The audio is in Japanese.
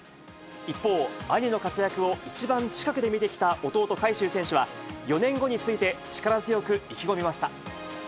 一方、兄の活躍を一番近くで見てきた弟、海祝選手は、４年後について、力強く意気込みました。